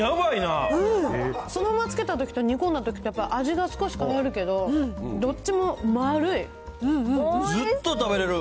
そのままつけたときと煮込んだときと、やっぱ味が少し変わるけど、ずっと食べれる。